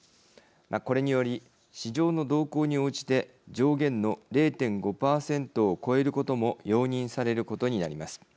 これにより市場の動向に応じて上限の０．５％を超えることも容認されることになります。